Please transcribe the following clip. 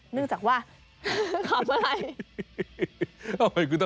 เนื่องจากว่าขออะไร